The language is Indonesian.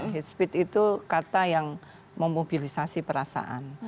hate speed itu kata yang memobilisasi perasaan